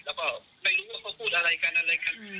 แล้วไม่รู้เขาพูดอะไรกันอะไรครัน